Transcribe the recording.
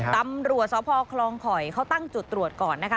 ตำรวจสพคลองข่อยเขาตั้งจุดตรวจก่อนนะคะ